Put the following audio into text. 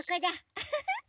ウフフ。